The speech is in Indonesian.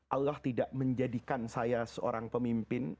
allah tidak menjadikan saya seorang pemimpin